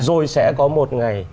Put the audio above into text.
rồi sẽ có một ngày